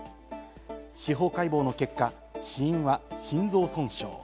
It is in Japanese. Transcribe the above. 司法解剖の結果、死因は心臓損傷。